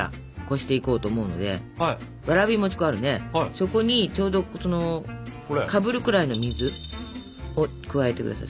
そこにちょうどかぶるくらいの水を加えて下さい。